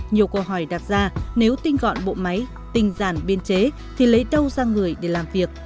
nhiều câu hỏi đặt ra nếu tinh gọn bộ máy tinh giản biên chế thì lấy đâu sang người để làm việc